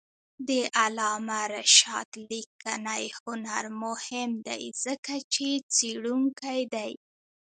د علامه رشاد لیکنی هنر مهم دی ځکه چې څېړونکی دی.